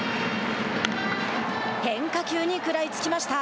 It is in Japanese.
変化球に食らいつきました。